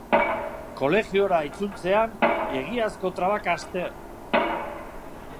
Kolegiora itzultzean, egiazko trabak haste!